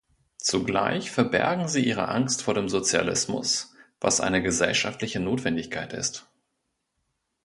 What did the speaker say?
Zugleich verbergen sie ihre Angst vor dem Sozialismus, was eine gesellschaftliche Notwendigkeit ist.